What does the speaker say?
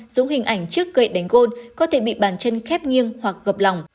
giống hình ảnh trước gậy đánh gôn có thể bị bàn chân khép nghiêng hoặc gập lỏng